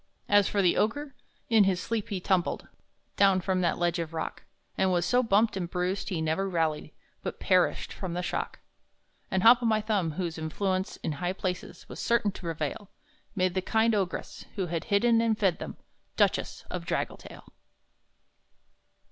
As for the Ogre, in his sleep he tumbled Down from that ledge of rock, And was so bumped and bruised he never rallied, But perished from the shock. And Hop o' my Thumb, whose influence in high places Was certain to prevail, Made the kind Ogress, who had hidden and fed them, Duchess of Draggletail.